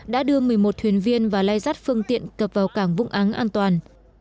đã đưa một mươi một thuyền viên và lai rắt phương tiện cập vào cảng vũng áng an toàn